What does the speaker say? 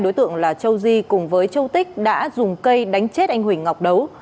đối tượng là châu di cùng với châu tích đã dùng cây đánh chết anh huỳnh ngọc đấu